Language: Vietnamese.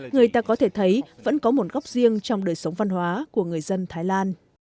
người ta có thể thấy vẫn có một góc riêng trong đời sống văn hóa của người dân thái lan